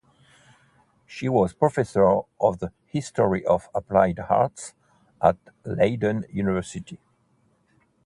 She was professor of the history of applied arts at Leiden University.